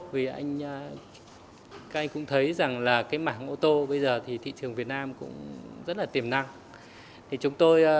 vì anh các anh cũng thấy rằng là cái mảng ô tô bây giờ thì thị trường việt nam cũng rất là tiềm năng